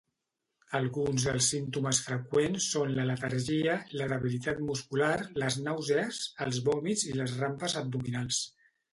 Alguns dels símptomes freqüents són la letargia, la debilitat muscular, les nàusees, els vòmits i les rampes abdominals.